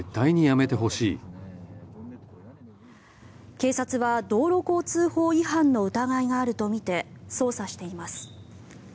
警察は道路交通法違反の疑いがあるとみて捜査しています。